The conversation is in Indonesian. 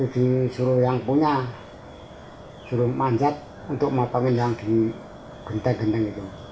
disuruh yang punya suruh manjat untuk membangun yang di genteng genteng itu